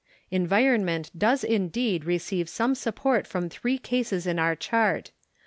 WHAT IT MEANS 61 Environment does indeed receive some support from three cases in our chart.